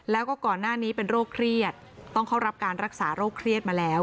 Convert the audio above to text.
แล้วก็ก่อนหน้านี้เป็นโรคเครียดต้องเข้ารับการรักษาโรคเครียดมาแล้ว